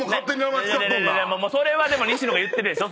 それは西野が言ってるでしょ。